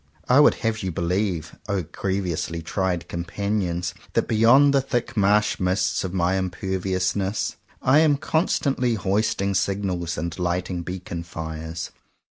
I would have you believe, O grievously tried companions, that beyond the thick marshmists of my imperviousness I am constantly hoisting signals and light ing beacon fires.